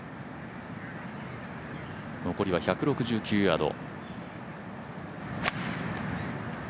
残りは１６９ヤード。